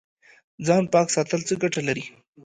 ځان پاک ساتل څه ګټه لري؟